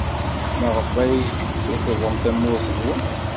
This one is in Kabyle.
Maɣef ay tukḍem tamurt-nwen?